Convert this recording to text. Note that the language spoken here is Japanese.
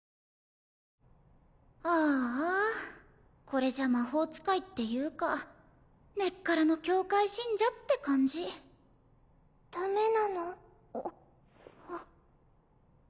これじゃ魔法使いっていうか根っからの教会信者って感じダメなの？